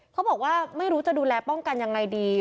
เขาบอกว่าไม่รู้จะดูแลป้องกันยังไงดี